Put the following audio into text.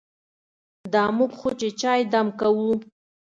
دا موږ خو چې چای دم کوو.